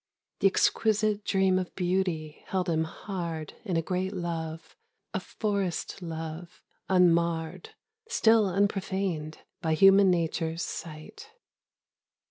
The exquisite dream of beauty held him hard In a great love, a forest love, unmarred Still unprofaned by human nature's sight.